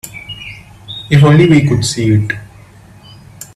If only we could see it.